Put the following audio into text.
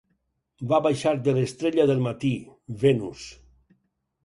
Va baixar de l'Estrella del matí, Venus.